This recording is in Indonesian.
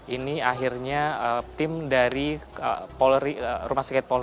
ini akhirnya tim dari rumah sakit polri